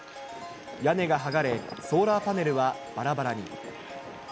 屋根が剥がれ、ソーラーパネルはばらばらに。